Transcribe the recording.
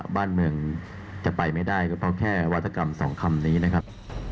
บ้านเมืองจะไปไม่ได้ก็เพราะแค่วัฒกรรมสองคำนี้นะครับ